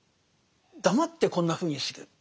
黙ってこんなふうにする。